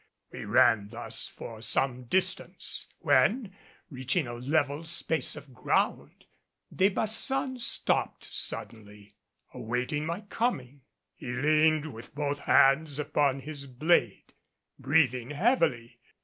We ran thus for some distance, when, reaching a level space of ground, De Baçan stopped suddenly, awaiting my coming. He leaned with both hands upon his blade, breathing heavily.